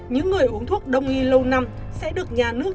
những người uống thuốc đồng y lâu năm sẽ được nhận được